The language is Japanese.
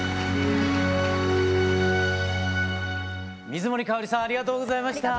水森かおりさんありがとうございました。